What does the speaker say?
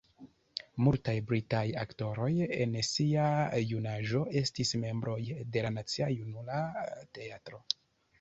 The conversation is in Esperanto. Multaj britaj aktoroj en sia junaĝo estis membroj de la Nacia Junula Teatro.